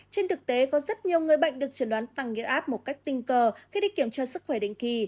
trên thực tế có rất nhiều người bệnh được chẩn đoán tăng huyết áp một cách tình cờ khi đi kiểm tra sức khỏe định kỳ